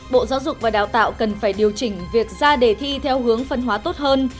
bộ giáo dục và đào tạo cần phải điều chỉnh việc ra đề thi theo hướng phân hóa tốt hơn